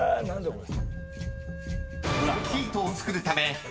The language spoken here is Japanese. これ。